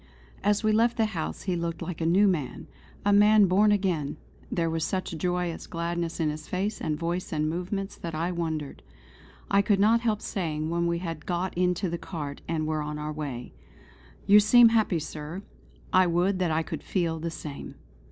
As we left the house he looked like a new man a man born again; there was such joyous gladness in his face and voice and movements that I wondered. I could not help saying when we had got into the cart and were on our way: "You seem happy, Sir. I would that I could feel the same."